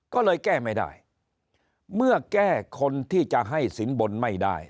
ก็เลยแก้ไม่ได้เมื่อแก้คนที่จะให้สินบนไม่ได้